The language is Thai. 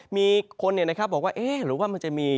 มีคนบอกว่าเอ๊ะหรือว่ามันจะมี